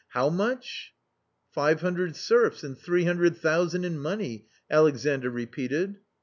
How much ?" "Five hundred serfs and three hundred thousand in money," Alexandr repeated.